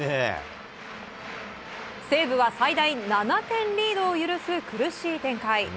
西武は最大７点リードを許す苦しい展開。